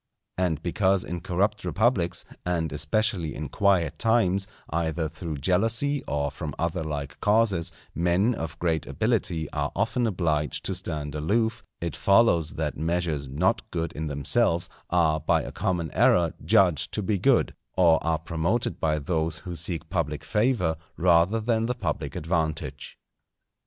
And because in corrupt republics, and especially in quiet times, either through jealousy or from other like causes, men of great ability are often obliged to stand aloof, it follows that measures not good in themselves are by a common error judged to be good, or are promoted by those who seek public favour rather than the public advantage.